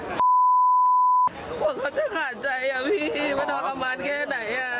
มันก็จะขาดใจอ่ะพี่มันทรมานแค่ไหนอ่ะ